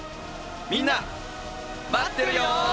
みんな待ってるよ！